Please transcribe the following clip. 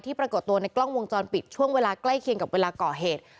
ปรากฏตัวในกล้องวงจรปิดช่วงเวลาใกล้เคียงกับเวลาก่อเหตุ